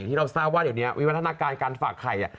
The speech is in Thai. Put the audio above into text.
ที่เราทราบว่าเดี๋ยวนี้วิวัฒนาการการฝากไข่